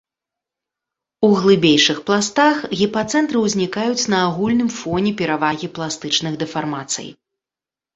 У глыбейшых пластах гіпацэнтры ўзнікаюць на агульным фоне перавагі пластычных дэфармацый.